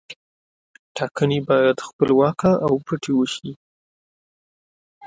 ټاکنې باید خپلواکه او پټې وشي.